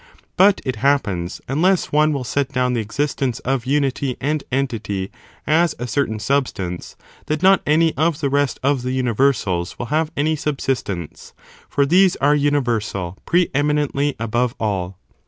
But it happens, unless one will set down the existence of unity and entity as a certain substance, that not any of the rest of the universals will have any subsistence, for these are universal pre eminently above all.